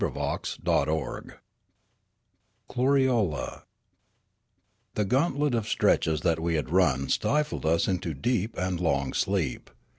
CHAPTER XXV KLORIOLE THE gauntlet of stenches that we had run stifled us into deep and long sleep.